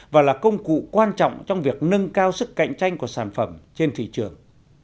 và là công cụ quan trọng trong việc nâng cao sức cạnh tranh của sản phẩm trên thị trường